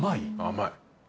甘い。